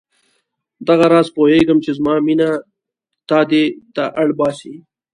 دغه راز زه پوهېږم چې زما مینه تا دې ته اړ باسي.